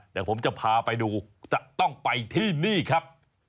เดี๋ยวผมจะพาไปดูจะต้องไปที่นี่ครับ